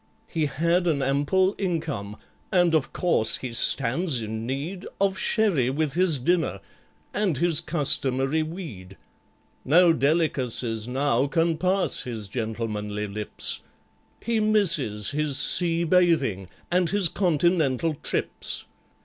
"He had an ample income, and of course he stands in need Of sherry with his dinner, and his customary weed; No delicacies now can pass his gentlemanly lips— He misses his sea bathing and his continental trips.